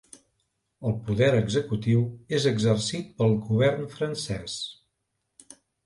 El poder executiu és exercit pel govern francès.